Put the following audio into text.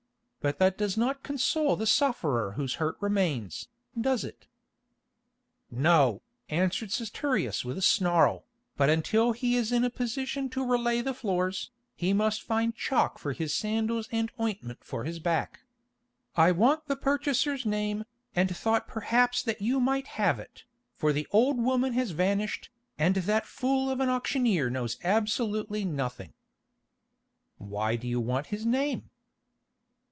But that does not console the sufferer whose hurt remains, does it?" "No," answered Saturius with a snarl, "but until he is in a position to relay the floors, he must find chalk for his sandals and ointment for his back. I want the purchaser's name, and thought perhaps that you might have it, for the old woman has vanished, and that fool of an auctioneer knows absolutely nothing." "Why do you want his name?"